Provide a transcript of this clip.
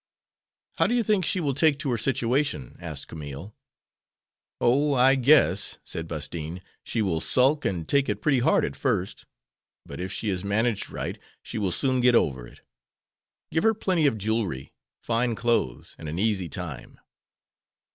"How do you think she will take to her situation?" asked Camille. "O, I guess," said Bastine, "she will sulk and take it pretty hard at first; but if she is managed right she will soon get over it. Give her plenty of jewelry, fine clothes, and an easy time."